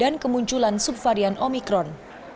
dan kemunculan subvarian omikron